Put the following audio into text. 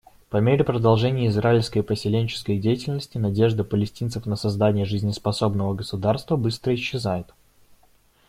По мере продолжения израильской поселенческой деятельности надежда палестинцев на создание жизнеспособного государства быстро исчезает.